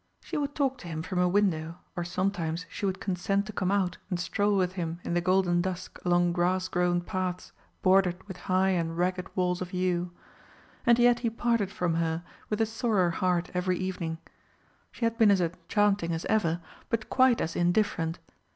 She would talk to him from her window, or sometimes she would consent to come out and stroll with him in the golden dusk along grass grown paths bordered with high and ragged walls of yew. And yet he parted from her with a sorer heart every evening. She had been as enchanting as ever, but quite as indifferent.